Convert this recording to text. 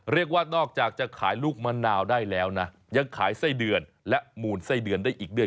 เรียกว่านอกจากจะขายลูกมะนาวได้แล้วนะยังขายไส้เดือนและมูลไส้เดือนได้อีกด้วย